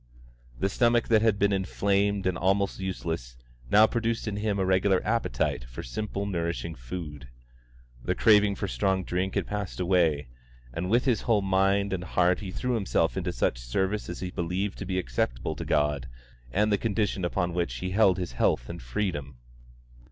The stomach that had been inflamed and almost useless, now produced in him a regular appetite for simple nourishing food. The craving for strong drink had passed away, and with his whole mind and heart he threw himself into such service as he believed to be acceptable to God and the condition upon which he held his health and his freedom.